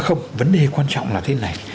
không vấn đề quan trọng là thế này